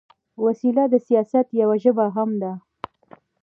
وسله د سیاست یوه ژبه هم ده